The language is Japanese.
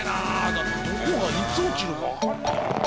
だってどこがいつ起きるかわかんない。